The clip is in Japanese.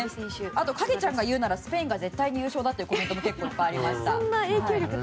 あとは影ちゃんが言うならスペインが絶対優勝だというコメントも結構いっぱいありました。